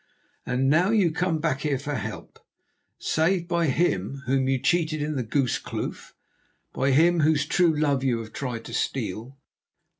And now you come back here for help, saved by him whom you cheated in the Goose Kloof, by him whose true love you have tried to steal.